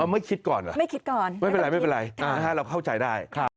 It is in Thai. ไม่คิดก่อนเหรอไม่เป็นไรเราเข้าใจได้